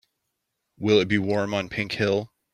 Will it be warm on Pink Hill?